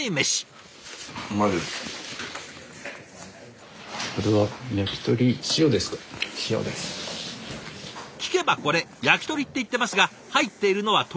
聞けばこれ「やきとり」って言ってますが入っているのは鶏ではなく豚！